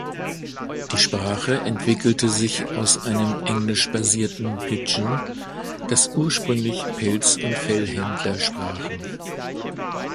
Die Sprache entwickelte sich aus einem englisch-basierten Pidgin, das ursprünglich Pelz- und Fellhändler sprachen.